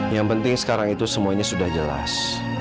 yang penting sekarang itu semuanya sudah jelas